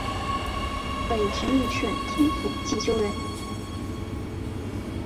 北直隶顺天府蓟州人。